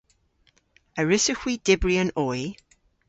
A wrussowgh hwi dybri an oy?